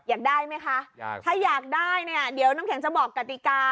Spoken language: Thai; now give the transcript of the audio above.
อยากได้ไหมคะอยากถ้าอยากได้เนี่ยเดี๋ยวน้ำแข็งจะบอกกติกา